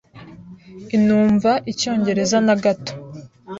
inumva Icyongereza na gato.